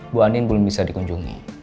bu anin belum bisa dikunjungi